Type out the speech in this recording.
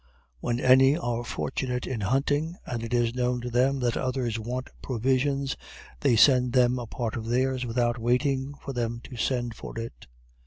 When any are fortunate in hunting, and it is known to them that others want provisions, they send them a part of theirs without waiting for them to send for it.